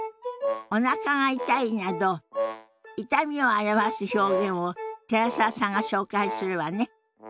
「おなかが痛い」など痛みを表す表現を寺澤さんが紹介するわね。